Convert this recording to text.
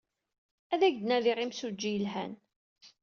Ad ak-d-nadiɣ imsujji yelhan.